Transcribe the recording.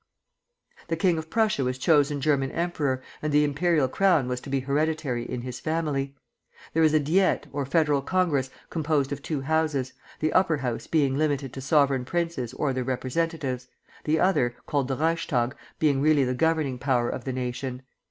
The king of Prussia was chosen German emperor, and the imperial crown was to be hereditary in his family. There is a Diet, or Federal Congress, composed of two Houses, the Upper House being limited to sovereign princes or their representatives, the other, called the Reichstag, being really the governing power of the nation.